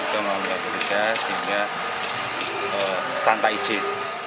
duga membuat bebas sehingga tanpa izin